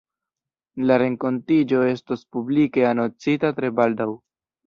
La renkontiĝo estos publike anoncita tre baldaŭ.